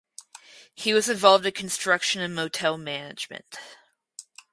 He was involved in construction and motel management.